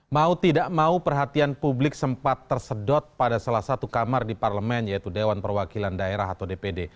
mau tidak mau perhatian publik sempat tersedot pada salah satu kamar di parlemen yaitu dewan perwakilan daerah atau dpd